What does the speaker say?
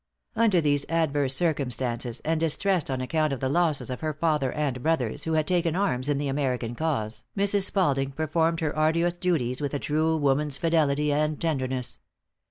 Under these adverse circumstances, and distressed on account of the losses of her father and brothers, who had taken arms in the American cause, Mrs. Spalding performed her arduous duties with a true woman's fidelity and tenderness.